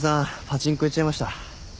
パチンコ行っちゃいました。